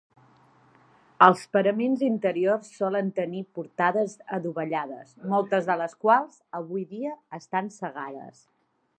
Els paraments interiors solen tenis portades adovellades, moltes de les quals, avui dia estan cegades.